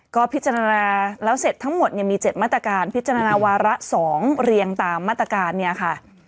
ก็พิจารณาแล้วเสร็จทั้งหมดมี๗มาตรการพิจารณาวาระ๒เรียงตามมาตรการเนี่ยค่ะ